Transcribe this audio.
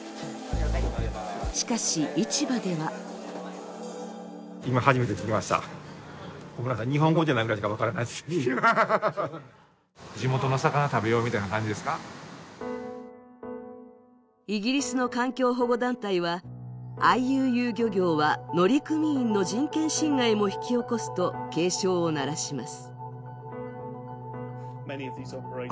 しかし、市場ではイギリスの環境保護団体はＩＵＵ漁業は乗組員の人権侵害も引き起こすと警鐘を鳴らします。